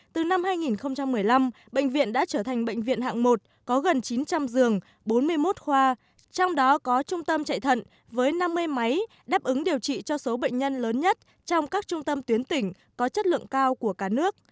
từ năm hai nghìn một mươi năm bệnh viện đã trở thành bệnh viện hạng một có gần chín trăm linh giường bốn mươi một khoa trong đó có trung tâm chạy thận với năm mươi máy đáp ứng điều trị cho số bệnh nhân lớn nhất trong các trung tâm tuyến tỉnh có chất lượng cao của cả nước